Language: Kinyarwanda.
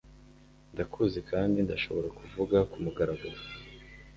Ndakuzi kandi ndashobora kuvuga ku mugaragar